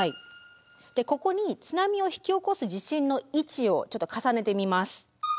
ここに津波を引き起こす地震の位置をちょっと重ねてみます。